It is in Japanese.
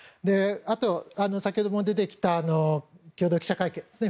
あと、先ほども出てきた共同記者会見ですね。